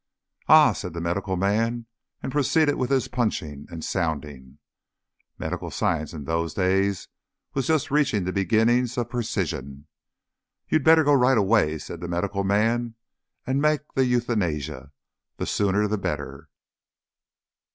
"Ah!" said the medical man, and proceeded with his punching and sounding. Medical science in those days was just reaching the beginnings of precision. "You'd better go right away," said the medical man, "and make the Euthanasia. The sooner the better."